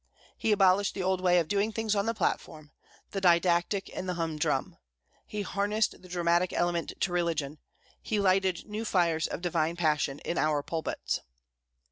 He abolished the old way of doing things on the platform, the didactic and the humdrum. He harnessed the dramatic element to religion. He lighted new fires of divine passion in our pulpits.